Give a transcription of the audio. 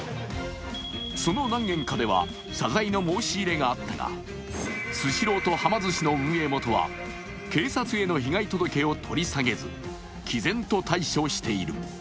その何件かでは謝罪の申し入れがあったが、スシローとはま寿司の運営元は警察への被害届を取り下げず、きぜんと対処している。